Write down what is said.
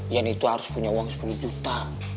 yen itu harus punya uang sepuluh juta